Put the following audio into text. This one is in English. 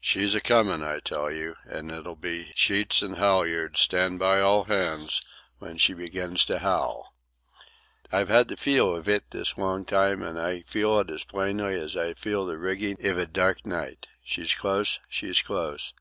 "She's a comin', I tell you, and it'll be sheets and halyards, stand by all hands, when she begins to howl. I've had the feel iv it this long time, and I can feel it now as plainly as I feel the rigging iv a dark night. She's close, she's close."